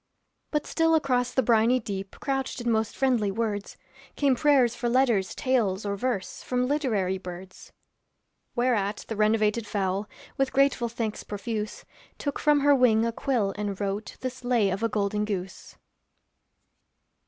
But still across the briny deep Couched in most friendly words, Came prayers for letters, tales, or verse, From literary birds. Whereat the renovated fowl With grateful thanks profuse, Took from her wing a quill and wrote This lay of a Golden Goose.